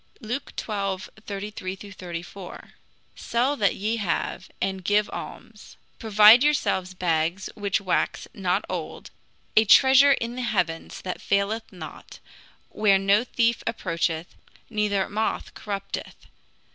Luke xii. 33 34: "Sell that ye have, and give alms; provide yourselves bags which wax not old, a treasure in the heavens that faileth not, where no thief approacheth, neither moth corrupteth.